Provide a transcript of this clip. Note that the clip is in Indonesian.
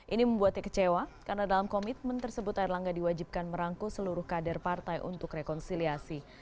ini membuatnya kecewa karena dalam komitmen tersebut air langga diwajibkan merangkul seluruh kader partai untuk rekonsiliasi